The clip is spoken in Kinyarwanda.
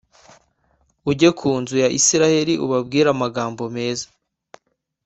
ujye ku inzu ya isirayeli ubabwire amagambo meza.